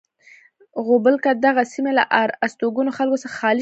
غوبل کې دغه سیمې له آر استوګنو خلکو څخه خالی شوې.